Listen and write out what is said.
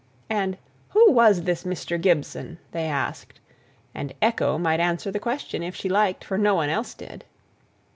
And "who was this Mr. Gibson?" they asked, and echo might answer the question, if she liked, for no one else did.